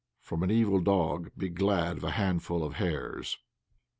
'From an evil dog be glad of a handful of hairs.'"